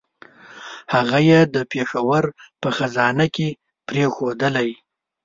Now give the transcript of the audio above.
هغه یې د پېښور په خزانه کې پرېښودلې.